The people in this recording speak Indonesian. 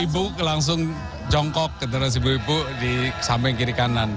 ibu ibu langsung jongkok ke teras ibu ibu sampai kiri kanan